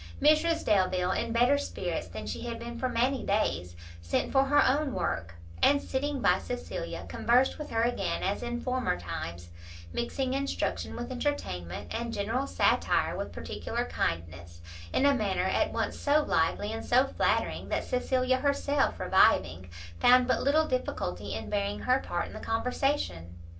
Mrs Delvile, in better spirits than she had been for many days, sent for her own work, and sitting by Cecilia, conversed with her again as in former times; mixing instruction with entertainment, and general satire with particular kindness, in a manner at once so lively and so flattering, that Cecilia herself reviving, found but little difficulty in bearing her part in the conversation.